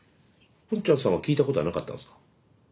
ポンちゃんさんは聞いたことはなかったんすか？